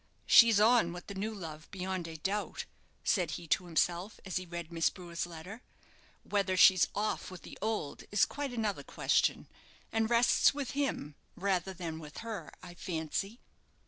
"She's on with the new love, beyond a doubt," said he to himself, as he read Miss Brewer's letter; "whether she's off with the old is quite another question, and rests with him rather than with her, I fancy."